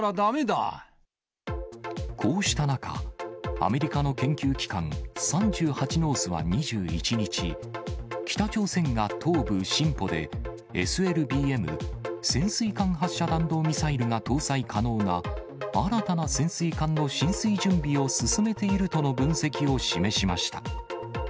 こうした中、アメリカの研究機関、３８ノースは２１日、北朝鮮が東部シンポで、ＳＬＢＭ・潜水艦発射弾道ミサイルが搭載可能な新たな潜水艦の進水準備を進めているとの分析を示しました。